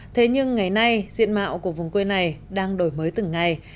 thế nhưng ngày nay diện mạo của vùng quê này đang đổi mới từng ngày